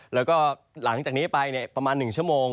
แล้วก็หลังจากนี้ไปประมาณ๑ชั่วโมง